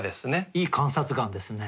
いい観察眼ですね。